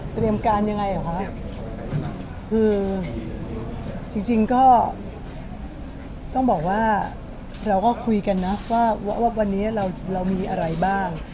เตรียมการยังไงเหรอคะคือจริงก็ต้องบอกว่าเราก็คุยกันนะว่าวันนี้เรามีอะไรบ้าง